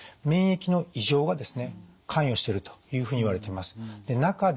免疫の異常がですね関与しているというふうにいわれています。